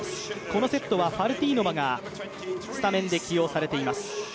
このセットはファルティーノバがスタメンで起用されています。